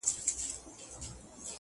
علم د تصمیم نیولو توان زیاتوي؛